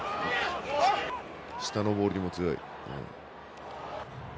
下のボールにも強い。